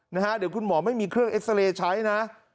เดี๋ยวคุณหมอไม่มีเครื่องเอ็กซาเรย์ใช้นะ